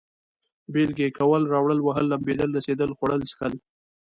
بېلگې: کول، راوړل، وهل، لمبېدل، رسېدل، خوړل، څښل